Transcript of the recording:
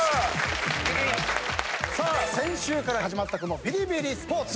さあ先週から始まったこのビリビリスポーツ。